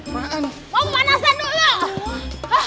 sior gak takut